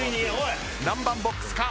何番ボックスか？